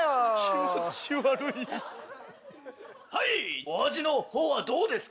気持ち悪いはいお味のほうはどうですか？